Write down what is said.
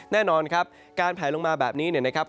แน่นอนครับการแผลลงมาแบบนี้เนี่ยนะครับ